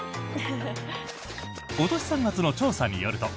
今年３月の調査によると。